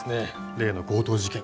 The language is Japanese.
例の強盗事件。